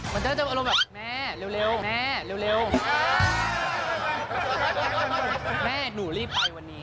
มันจะเจออารมณ์แบบแม่เร็ว